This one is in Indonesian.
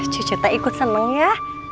cu cok teh ikut seneng ya